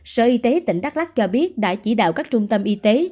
sở y tế tỉnh đắk lắc cho biết đã chỉ đạo các trung tâm y tế